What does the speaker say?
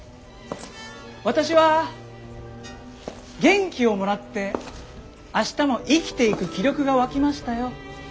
私は元気をもらって明日も生きていく気力が湧きましたよ。